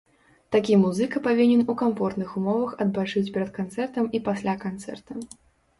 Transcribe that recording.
Такі музыка павінен у камфортных умовах адпачыць перад канцэртам і пасля канцэрта.